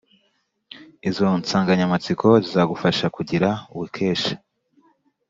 . Izo nsanganyamatsiko zizagufasha kugira ubukesha